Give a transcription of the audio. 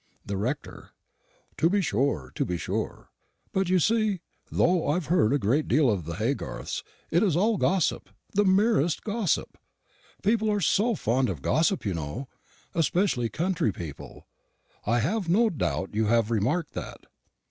The Rector. To be sure, to be sure! But, you see, though I've heard a good deal of the Haygarths, it is all gossip the merest gossip. People are so fond of gossip, you know especially country people: I have no doubt you have remarked that.